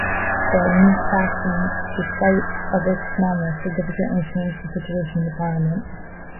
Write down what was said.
The "New Faction", despite of its smallness, significantly changed the situation in the Parliament.